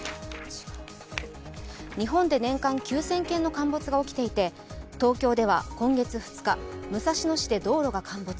日本で年間９０００件の陥没が起きていて東京では今月２日、武蔵野市で道路が陥没。